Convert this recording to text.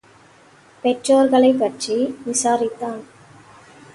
பெற்றோர்களைப் பற்றி விசாரித்தான்.